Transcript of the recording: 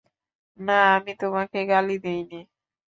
না, আমি তোমাকে গালি দেইনি।